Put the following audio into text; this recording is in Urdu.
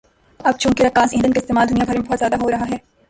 اب چونکہ رکاز ایندھن کا استعمال دنیا بھر میں بہت زیادہ ہورہا ہے